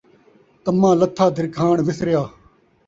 طمع لتھا درکھاݨ وِسریا